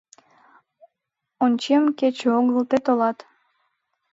Ончем — кече огыл, тый толат